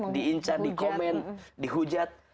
diincar di komen dihujat